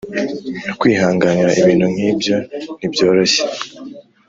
Kwihanganira ibintu nk’ibyo ntibyoroshye